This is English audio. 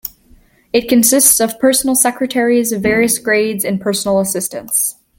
It consists of personal secretaries of various grades and personal assistants.